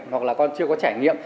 hoặc là con chưa có trải nghiệm